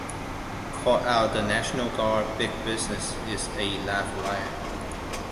Call out the National Guard - "Big Business" is a laugh riot".